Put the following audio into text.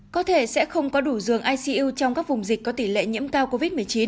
có thể sẽ không có đủ giường icu trong các vùng dịch có tỷ lệ nhiễm cao covid một mươi chín